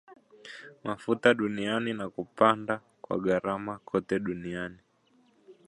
mafuta duniani na kupanda kwa gharama kote duniani